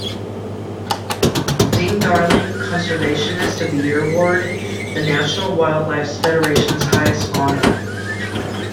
Ding Darling Conservationist of the Year Award, the National Wildlife Federation's highest honor.